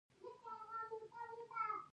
د ایران تعلیمي کال په مني کې پیلیږي.